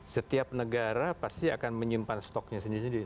setiap negara pasti akan menyimpan stoknya sendiri sendiri